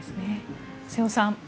瀬尾さん